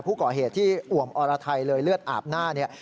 ผู้ก่อเหตุที่อ่วมอรไทยเลยเลือดอาบหน้าเนี่ย